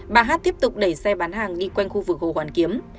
bà hát tiếp tục đẩy xe bán hàng đi quanh khu vực hồ hoàn kiếm